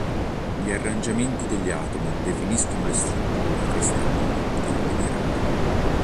Gli arrangiamenti degli atomi definiscono le strutture cristalline dei minerali.